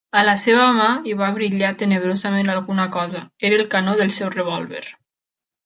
A la seva mà hi va brillar tenebrosament alguna cosa, era el canó del seu revòlver.